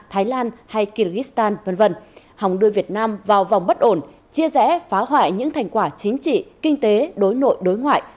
thái lan hay kyrgyzstan v v hòng đưa việt nam vào vòng bất ổn chia rẽ phá hoại những thành quả chính trị kinh tế đối nội đối ngoại